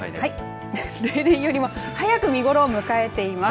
例年よりも早く見頃を迎えています。